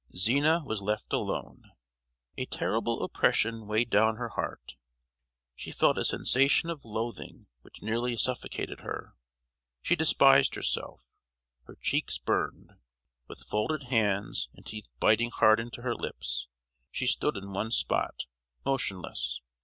Zina was left alone. A terrible oppression weighed down her heart. She felt a sensation of loathing which nearly suffocated her. She despised herself—her cheeks burned. With folded hands, and teeth biting hard into her lips, she stood in one spot, motionless.